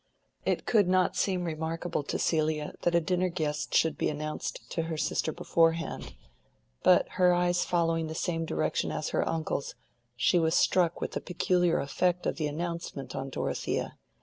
It could not seem remarkable to Celia that a dinner guest should be announced to her sister beforehand, but, her eyes following the same direction as her uncle's, she was struck with the peculiar effect of the announcement on Dorothea.